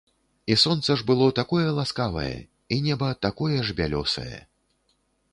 І сонца ж было такое ласкавае і неба такое ж бялёсае.